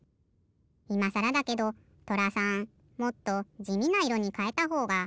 いまさらだけどとらさんもっとじみないろにかえたほうがいいんじゃないですか？